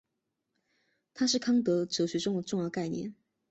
它是康德哲学中的重要概念。